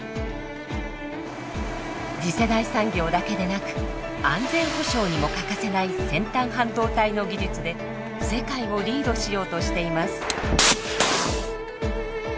次世代産業だけでなく安全保障にも欠かせない先端半導体の技術で世界をリードしようとしています。